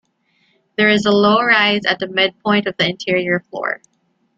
There is a low rise at the midpoint of the interior floor.